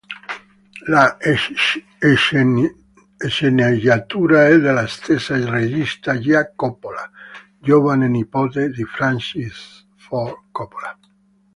La sceneggiatura è della stessa regista Gia Coppola, giovane nipote di Francis Ford Coppola.